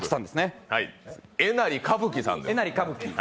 えなり歌舞伎さんですね。